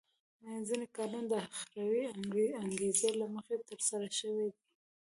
ځینې کارونه د اخروي انګېزو له مخې ترسره شوي دي.